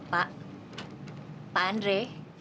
pak pak andre